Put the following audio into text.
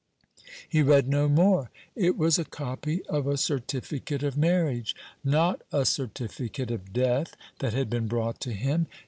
He read no more. It was a copy of a certificate of marriage not a certificate of death that had been brought to him.